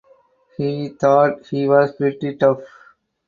He thought he was pretty tough.